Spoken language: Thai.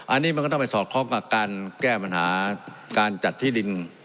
อันนี้มันก็ต้องไปสอดคล้องกับการแก้ปัญหาการจัดที่ดิน